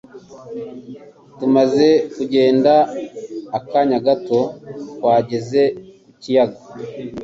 Tumaze kugenda akanya gato, twageze ku kiyaga